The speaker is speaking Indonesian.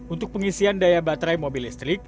untuk pengisian daya baterai mobil listrik